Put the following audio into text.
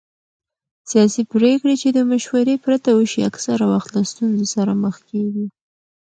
سیاسي پرېکړې چې د مشورې پرته وشي اکثره وخت له ستونزو سره مخ کېږي